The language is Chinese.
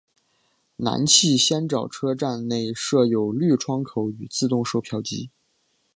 南气仙沼车站内设有绿窗口与自动售票机。